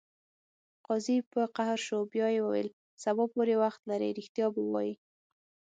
قاضي په قهر شو بیا یې وویل: سبا پورې وخت لرې ریښتیا به وایې.